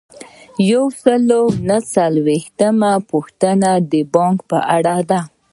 یو سل او څلور نوي یمه پوښتنه د بانک په اړه ده.